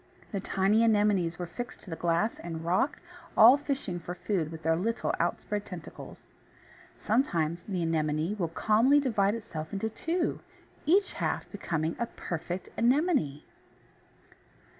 The tiny Anemones were fixed to the glass and rock, all fishing for food with their little outspread tentacles. Sometimes the Anemone will calmly divide itself into two, each half becoming a perfect Anemone!